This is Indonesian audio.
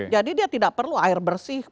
jadi dia tidak perlu air bersih